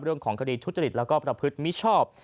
เรื่องของคดีทุจริตแล้วก็ประพฤติมิชชอบ